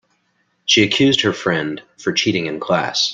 She accuse her friend for cheating in class.